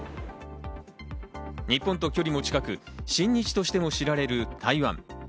日本と距離も近く、親日としても知られる台湾。